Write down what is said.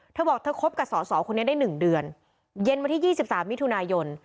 เธอบอกเธอคบกับสอสอคนนี้ได้๑เดือนเย็นวันที่๒๓มิถุนายน